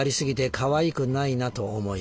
かわいくないなと思い